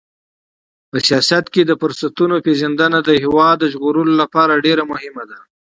په سیاست کې د فرصتونو پیژندنه د هېواد د ژغورلو لپاره ډېره مهمه ده.